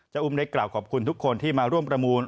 อุ้มได้กล่าวขอบคุณทุกคนที่มาร่วมประมูล